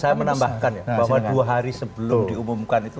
saya menambahkan ya bahwa dua hari sebelum diumumkan itu